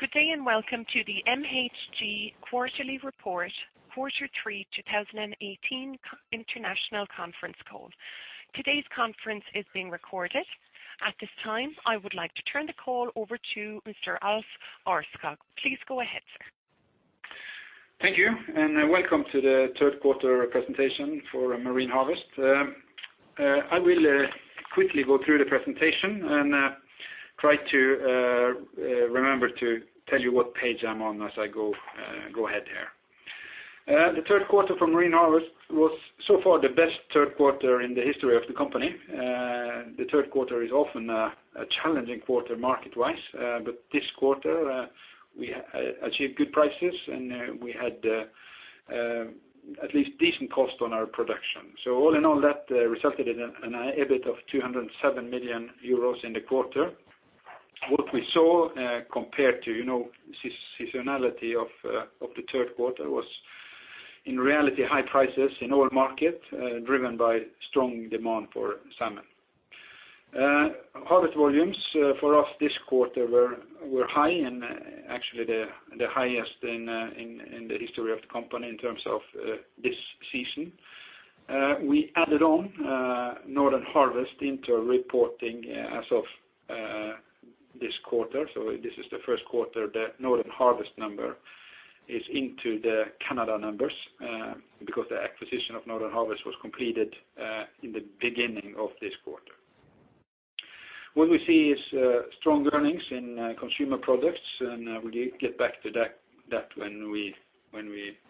Good day, and welcome to the MHG quarterly report, Q3 2018 international conference call. Today's conference is being recorded. At this time, I would like to turn the call over to Mr. Alf-Helge Aarskog. Please go ahead, sir. Thank you, welcome to the third quarter presentation for Marine Harvest. I will quickly go through the presentation and try to remember to tell you what page I'm on as I go ahead here. The third quarter for Marine Harvest was so far the best third quarter in the history of the company. The third quarter is often a challenging quarter market-wise. This quarter, we achieved good prices, and we had at least decent cost on our production. All in all, that resulted in an EBIT of 207 million euros in the quarter. What we saw compared to seasonality of the third quarter was, in reality, high prices in all markets, driven by strong demand for salmon. Harvest volumes for us this quarter were high and actually the highest in the history of the company in terms of this season. We added on Northern Harvest into our reporting as of this quarter. This is the first quarter that Northern Harvest number is into the Canada numbers, because the acquisition of Northern Harvest was completed in the beginning of this quarter. What we see is strong earnings in consumer products, and we get back to that when we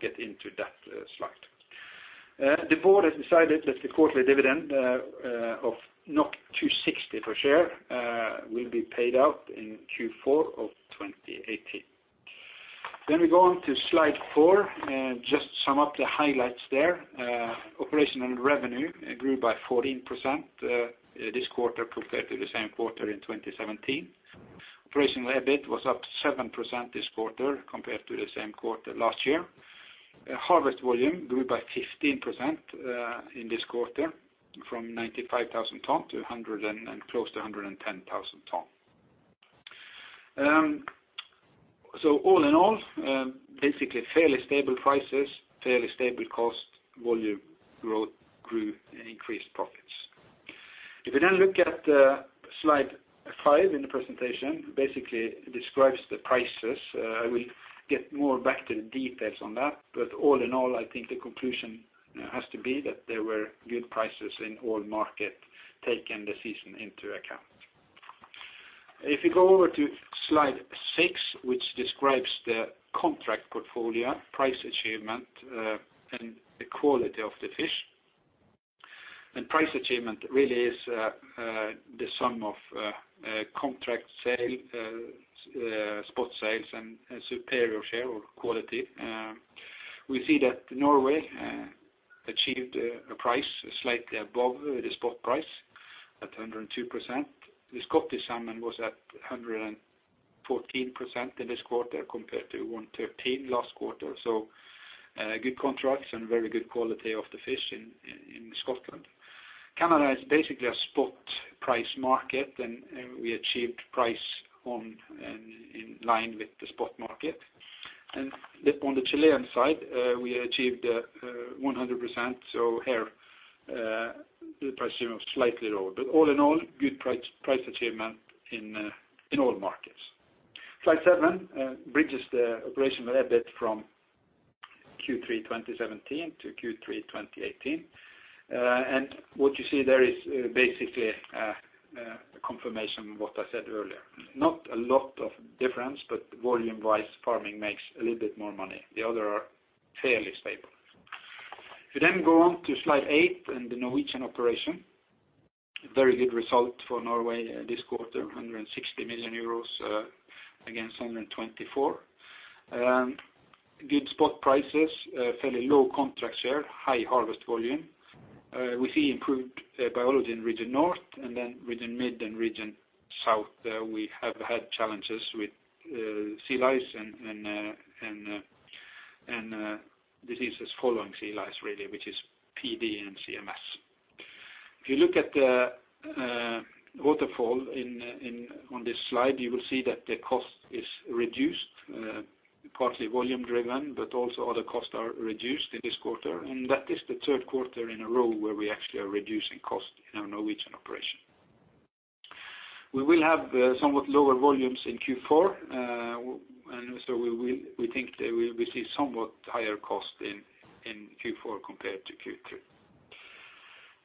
get into that slide. The Board has decided that the quarterly dividend of 2.60 per share will be paid out in Q4 of 2018. We go on to slide four, just sum up the highlights there. Operational revenue grew by 14% this quarter compared to the same quarter in 2017. Operational EBIT was up 7% this quarter compared to the same quarter last year. Harvest volume grew by 15% in this quarter, from 95,000 ton to close to 110,000 ton. All in all, basically fairly stable prices, fairly stable cost, volume growth grew and increased profits. If you look at slide five in the presentation, basically describes the prices. I will get more back to the details on that, but all in all, I think the conclusion has to be that there were good prices in all markets, taking the season into account. If you go over to slide six, which describes the contract portfolio, price achievement, and the quality of the fish. Price achievement really is the sum of contract sale, spot sales, and superior share or quality. We see that Norway achieved a price slightly above the spot price at 102%. The Scottish salmon was at 114% in this quarter, compared to 113% last quarter. Good contracts and very good quality of the fish in Scotland. Canada is basically a spot price market, and we achieved price in line with the spot market. On the Chilean side, we achieved 100%, so here, the price here was slightly lower. All in all, good price achievement in all markets. Slide seven bridges the operational EBIT from Q3 2017-Q3 2018. What you see there is basically a confirmation of what I said earlier. Not a lot of difference, but volume-wise, farming makes a little bit more money. The other are fairly stable. If you go on to slide eight and the Norwegian operation. Very good result for Norway this quarter, 160 million euros against 124 million. Good spot prices, fairly low contract share, high harvest volume. We see improved biology in Region North, and then Region Mid and Region South, we have had challenges with sea lice and diseases following sea lice, really, which is PD and CMS. If you look at the waterfall on this slide, you will see that the cost is reduced, partly volume-driven, but also other costs are reduced in this quarter. That is the third quarter in a row where we actually are reducing cost in our Norwegian operation. We will have somewhat lower volumes in Q4, and so we think that we see somewhat higher cost in Q4 compared to Q3.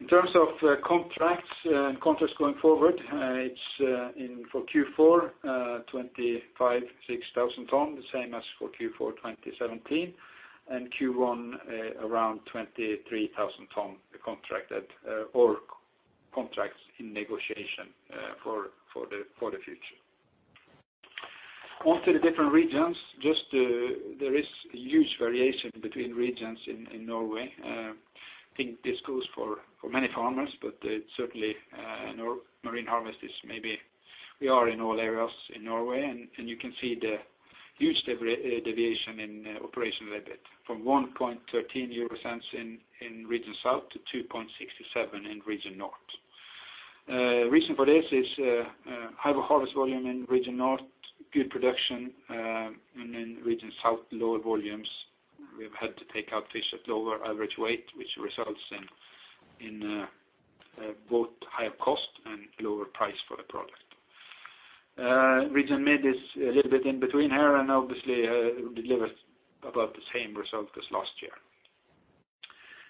In terms of contracts and contracts going forward, it's for Q4, 25,000 ton-26,000 ton, the same as for Q4 2017, and Q1 around 23,000 ton contracted or contracts in negotiation for the future. On to the different regions, just there is huge variation between regions in Norway. I think this goes for many farmers, but certainly Marine Harvest is We are in all areas in Norway, you can see the huge deviation in operational EBIT, from 0.0113 in Region South to 0.0267 in Region North. The reason for this is higher harvest volume in Region North, good production. In Region South, lower volumes. We have had to take out fish at lower average weight, which results in both higher cost and lower price for the product. Region Mid is a little bit in between here, obviously it will deliver about the same result as last year.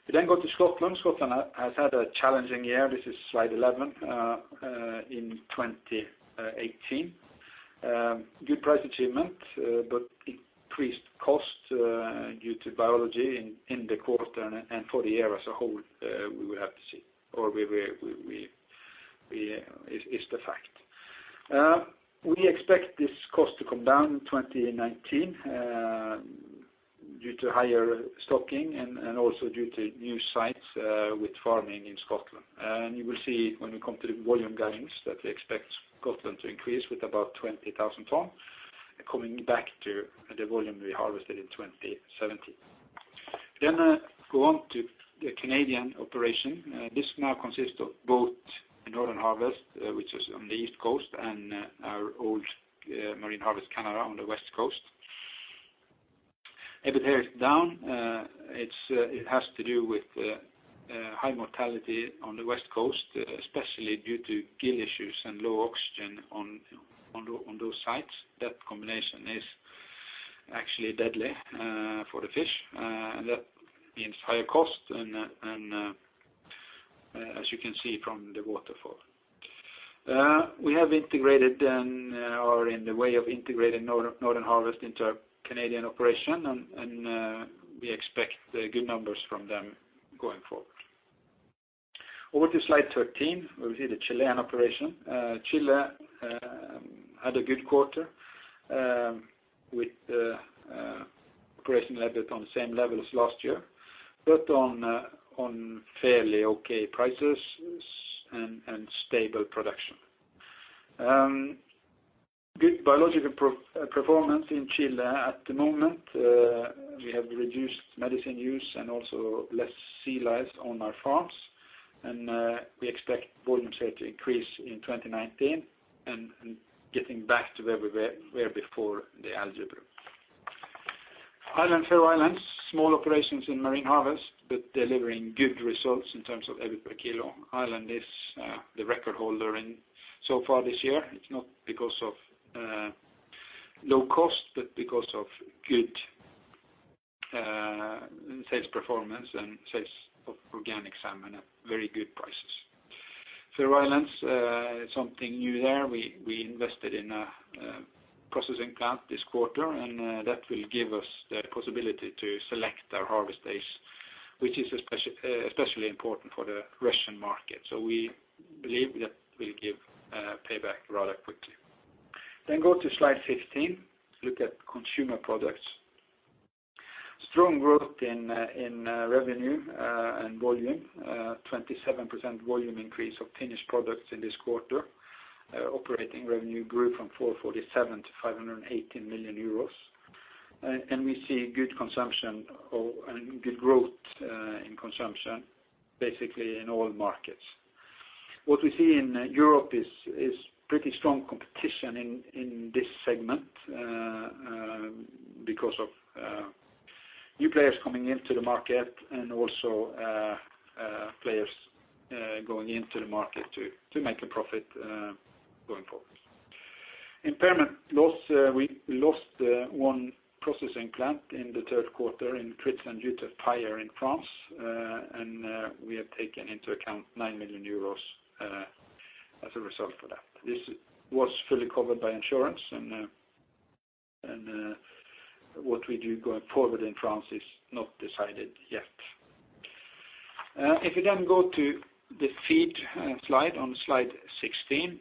We go to Scotland. Scotland has had a challenging year, this is slide 11, in 2018. Good price achievement, increased costs due to biology in the quarter and for the year as a whole, it's the fact. We expect this cost to come down in 2019 due to higher stocking and also due to new sites with farming in Scotland. You will see when we come to the volume guidance that we expect Scotland to increase with about 20,000 tons, coming back to the volume we harvested in 2017. I go on to the Canadian operation. This now consists of both the Northern Harvest, which is on the East Coast, and our old Marine Harvest Canada on the West Coast. EBIT here is down. It has to do with high mortality on the West Coast, especially due to gill issues and low oxygen on those sites. That combination is actually deadly for the fish. That means higher cost and as you can see from the waterfall. We have integrated and are in the way of integrating Northern Harvest into our Canadian operation and we expect good numbers from them going forward. Over to slide 13, where we see the Chilean operation. Chile had a good quarter with the operating EBIT on the same level as last year, but on fairly okay prices and stable production. Good biological performance in Chile at the moment. We have reduced medicine use and also less sea lice on our farms. We expect volume share to increase in 2019 and getting back to where we were before the algae bloom. Ireland, Faroe Islands, small operations in Marine Harvest, but delivering good results in terms of EBIT per kilo. Ireland is the record holder so far this year. It's not because of low cost, but because of good sales performance and sales of organic salmon at very good prices. Faroe Islands, something new there. We invested in a processing plant this quarter, and that will give us the possibility to select our harvest days, which is especially important for the Russian market. We believe that will give payback rather quickly. Go to slide 15, look at consumer products. Strong growth in revenue and volume. 27% volume increase of finished products in this quarter. Operating revenue grew from 447 million-518 million euros. We see good growth in consumption basically in all markets. What we see in Europe is pretty strong competition in this segment because of new players coming into the market and also players going into the market to make a profit going forward. Impairment loss. We lost one processing plant in the third quarter in Trith-Saint-Léger due to fire in France. We have taken into account 9 million euros as a result of that. This was fully covered by insurance. What we do going forward in France is not decided yet. We then go to the feed slide on slide 16.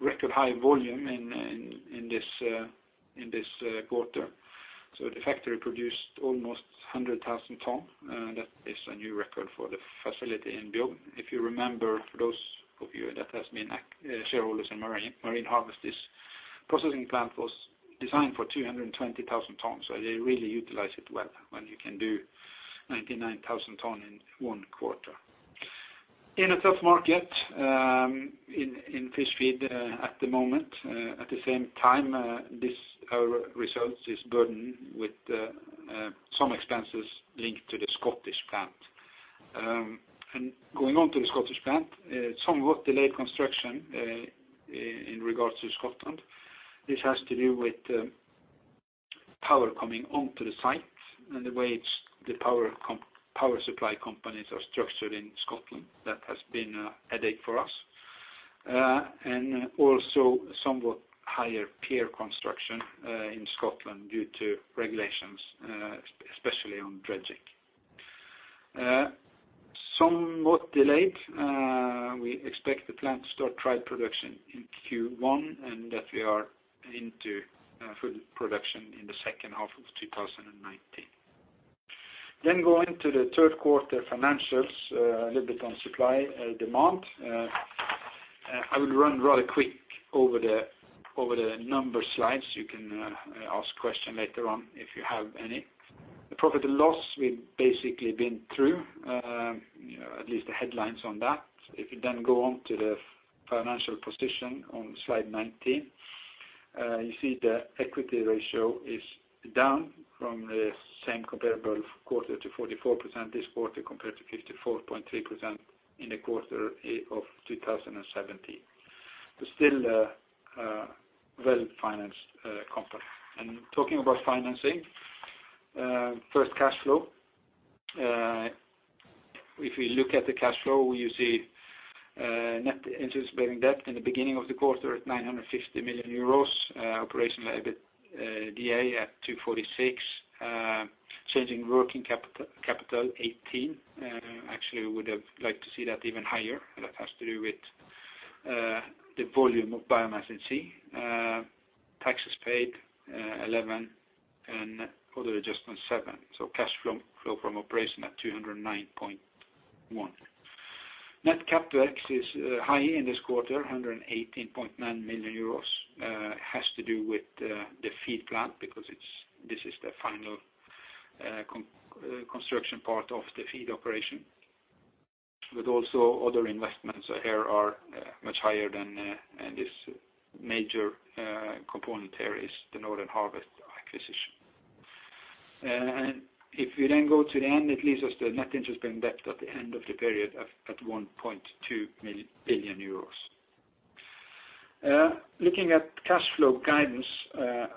Record high volume in this quarter. The factory produced almost 100,000 ton. That is a new record for the facility in Bjugn. You remember, for those of you that have been shareholders in Marine Harvest, this processing plant was designed for 220,000 tons. They really utilize it well when you can do 99,000 ton in one quarter. In a tough market in fish feed at the moment. At the same time, our results is burdened with some expenses linked to the Scottish plant. Going on to the Scottish plant, somewhat delayed construction in regards to Scotland. This has to do with power coming onto the site and the way the power supply companies are structured in Scotland. That has been a headache for us. Also somewhat higher pier construction in Scotland due to regulations, especially on dredging. Somewhat delayed. We expect the plant to start trial production in Q1 and that we are into full production in the second half of 2019. Going to the third quarter financials. A little bit on supply, demand. I would run rather quick over the number slides. You can ask question later on if you have any. The profit and loss, we've basically been through, at least the headlines on that. If you then go on to the financial position on slide 19, you see the equity ratio is down from the same comparable quarter to 44% this quarter, compared to 54.3% in the quarter of 2017. Still a well-financed company. Talking about financing, first cash flow. If we look at the cash flow, you see net interest-bearing debt in the beginning of the quarter at 950 million euros. Operation EBITDA at 246 million. Change in working capital, 18 million. Actually would have liked to see that even higher. That has to do with the volume of biomass in sea. Taxes paid, 11 million and other adjustments, 7 million. Cash flow from operation at 209.1 million. Net CapEx is high in this quarter, 118.9 million euros. Has to do with the feed plant because this is the final construction part of the feed operation. Also other investments here are much higher than this major component areas, the Northern Harvest acquisition. If you then go to the end, it leaves us the net interest-bearing debt at the end of the period at 1.2 billion euros. Looking at cash flow guidance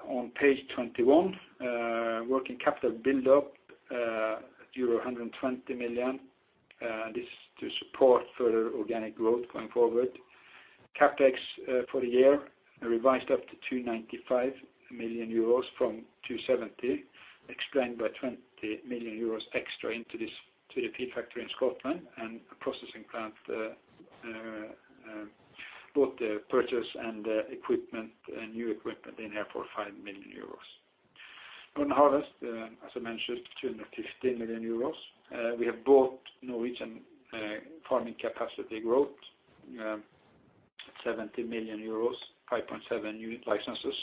on page 21. Working capital build up, euro 120 million. This is to support further organic growth going forward. CapEx for the year are revised up to 295 million euros from 270 million, explained by 20 million euros extra into the feed factory in Scotland and a processing plant, both the purchase and the equipment, new equipment in here for 5 million euros. Northern Harvest, as I mentioned, 215 million euros. We have bought Norwegian farming capacity growth, 70 million euros, 5.7 unit licenses.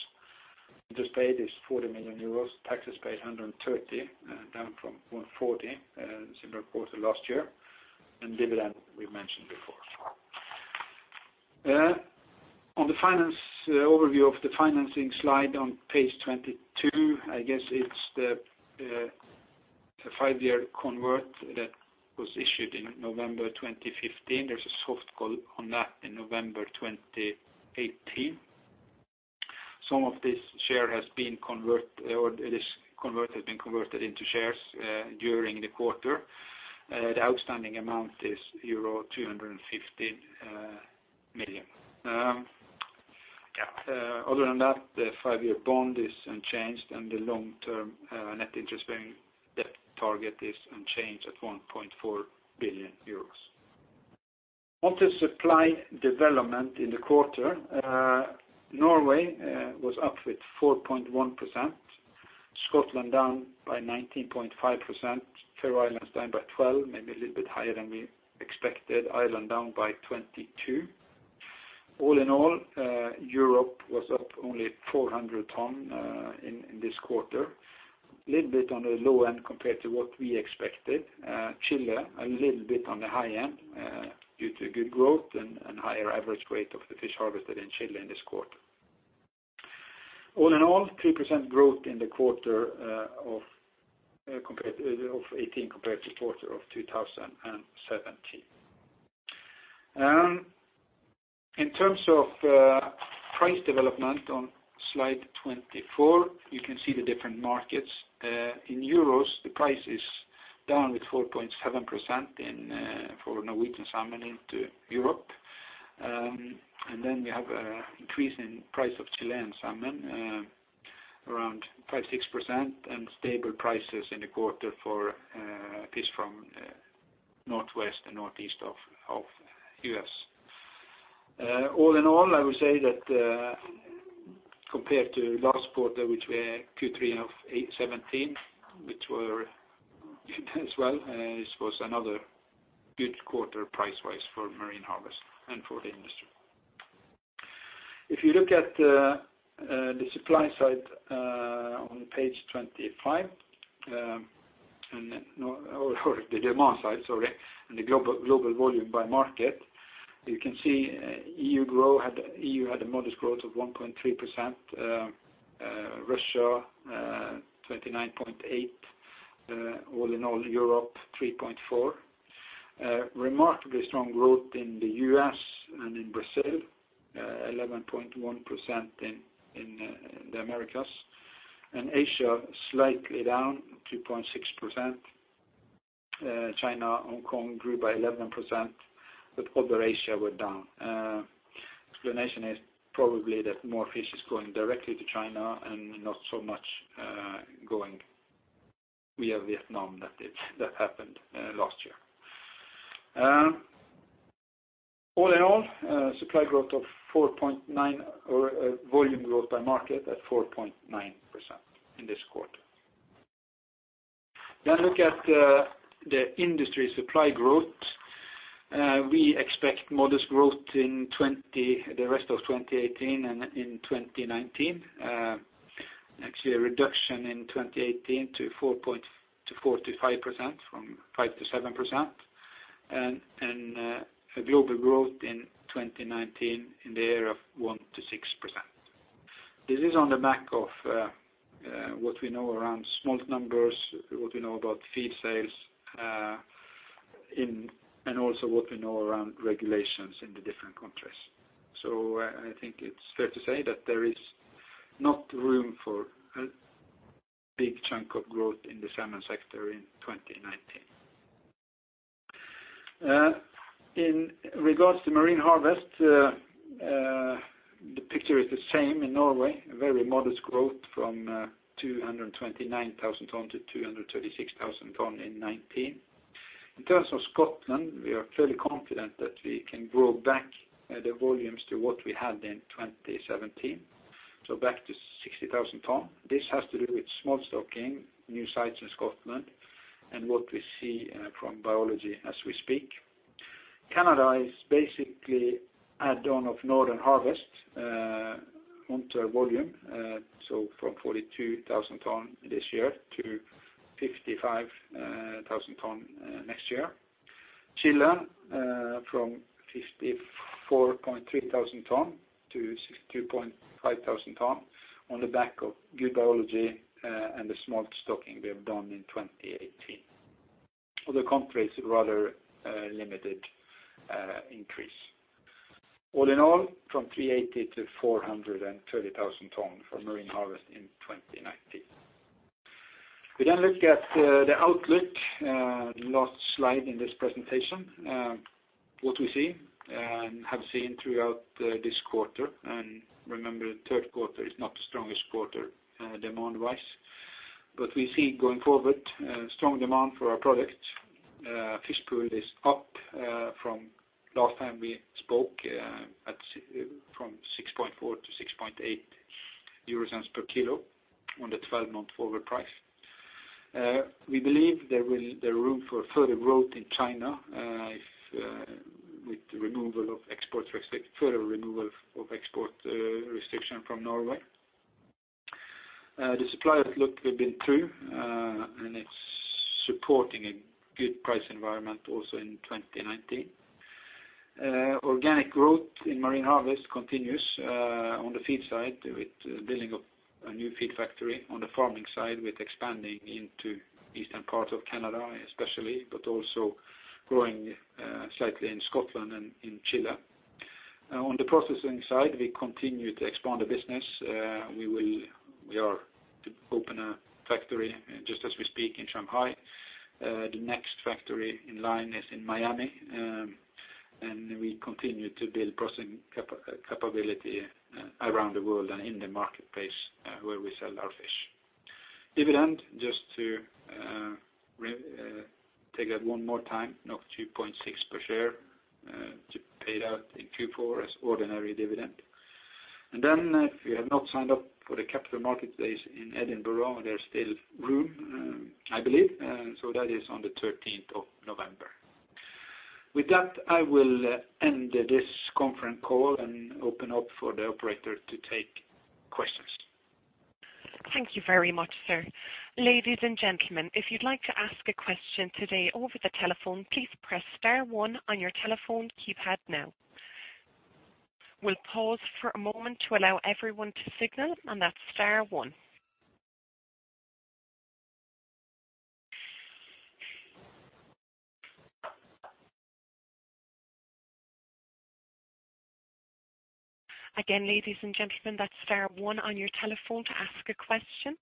Interest paid is 40 million euros. Taxes paid 130 million, down from 140 million similar quarter last year. Dividend we mentioned before. On the finance overview of the financing slide on page 22, I guess it's the five-year convert that was issued in November 2015. There's a soft call on that in November 2018. Some of this has been converted into shares during the quarter. The outstanding amount is euro 250 million. Other than that, the five-year bond is unchanged and the long-term net interest bearing debt target is unchanged at 1.4 billion euros. On to supply development in the quarter. Norway was up with 4.1%, Scotland down by 19.5%, Faroe Islands down by 12%, maybe a little bit higher than we expected. Ireland down by 22%. All in all, Europe was up only 400 ton in this quarter. Little bit on the low end compared to what we expected. Chile, a little bit on the high end due to good growth and higher average weight of the fish harvested in Chile in this quarter. All in all, 3% growth in the quarter of 2018 compared to quarter of 2017. In terms of price development on slide 24, you can see the different markets. In euros, the price is down with 4.7% for Norwegian salmon into Europe. We have an increase in price of Chilean salmon around 5%-6%, and stable prices in the quarter for fish from Northwest and Northeast of U.S. All in all, I would say that compared to last quarter, which were Q3 2017, which were as well, this was another good quarter price-wise for Marine Harvest and for the industry. If you look at the supply side on page 25 or the demand side, sorry, and the global volume by market, you can see E.U. had a modest growth of 1.3%, Russia 29.8%. Europe 3.4%. Remarkably strong growth in the U.S. and in Brazil, 11.1% in the Americas. Asia slightly down 2.6%. China, Hong Kong grew by 11%, other Asia were down. Explanation is probably that more fish is going directly to China and not so much going via Vietnam that happened last year. All in all volume growth by market at 4.9% in this quarter. Look at the industry supply growth. We expect modest growth the rest of 2018 and in 2019. Actually, a reduction in 2018 to 4%-5% from 5%-7%, and a global growth in 2019 in the area of 1%-6%. This is on the back of what we know around smolt numbers, what we know about feed sales, and also what we know around regulations in the different countries. I think it's fair to say that there is not room for a big chunk of growth in the salmon sector in 2019. In regards to Marine Harvest, the picture is the same in Norway. A very modest growth from 229,000 tons-236,000 tons in 2019. In terms of Scotland, we are fairly confident that we can grow back the volumes to what we had in 2017. Back to 60,000 tons. This has to do with smolt stocking, new sites in Scotland, and what we see from biology as we speak. Canada is basically add-on of Northern Harvest onto volume. From 42,000 tons this year to 55,000 tons next year. Chile from 54,300 tons-62,500 tons on the back of good biology, and the smolt stocking we have done in 2018. Other countries, rather limited increase. All in all, from 380,000 tons-430,000 tons for Marine Harvest in 2019. We look at the outlook. Last slide in this presentation. What we see and have seen throughout this quarter. Remember, the third quarter is not the strongest quarter demand-wise. We see going forward a strong demand for our products. Fish Pool is up from last time we spoke from 0.064-0.068 euro per kilo on the 12-month forward price. We believe there is room for further growth in China with further removal of export restriction from Norway. The supply outlook we've been through, it's supporting a good price environment also in 2019. Organic growth in Marine Harvest continues on the fish feed side with the building of a new fish feed factory on the farming side with expanding into eastern part of Canada especially, but also growing slightly in Scotland and in Chile. On the processing side, we continue to expand the business. We are to open a factory just as we speak in Shanghai. The next factory in line is in Miami. We continue to build processing capability around the world and in the marketplace where we sell our fish. Dividend, just to take it one more time, 3.6 per share to pay out in Q4 as ordinary dividend. If you have not signed up for the Capital Markets Day in Edinburgh, there's still room, I believe. That is on the 13th of November. With that, I will end this conference call and open up for the Operator to take questions. Thank you very much, sir. Ladies and gentlemen, if you'd like to ask a question today over the telephone, please press star one on your telephone keypad now. We'll pause for a moment to allow everyone to signal. That's star one. Again, ladies and gentlemen, that's star one on your telephone to ask a question.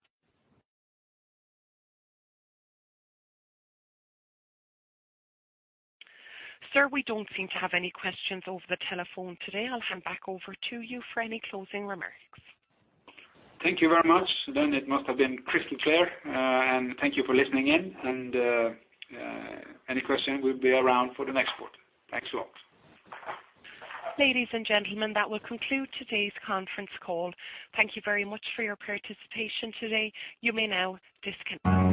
Sir, we don't seem to have any questions over the telephone today. I'll hand back over to you for any closing remarks. Thank you very much. It must have been crystal clear, and thank you for listening in. Any question, we'll be around for the next quarter. Thanks a lot. Ladies and gentlemen, that will conclude today's conference call. Thank you very much for your participation today. You may now disconnect.